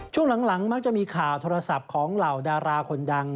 ช่วงหลังมักจะมีข่าวโทรศัพท์ของเหล่าดาราคนดัง